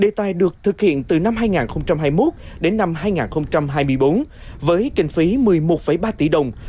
đề tài được thực hiện từ năm hai nghìn hai mươi một đến năm hai nghìn hai mươi bốn với kinh phí một mươi một ba tỷ đồng